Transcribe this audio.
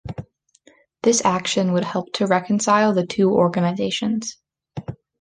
This action would help to reconcile the two organizations.